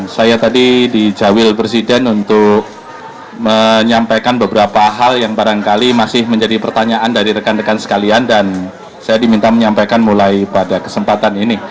saya tadi dijawil presiden untuk menyampaikan beberapa hal yang barangkali masih menjadi pertanyaan dari rekan rekan sekalian dan saya diminta menyampaikan mulai pada kesempatan ini